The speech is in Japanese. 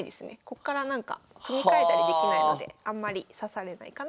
こっからなんか組み替えたりできないのであんまり指されないかなと思います。